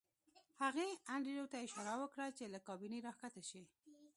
هغې انډریو ته اشاره وکړه چې له کابینې راښکته شي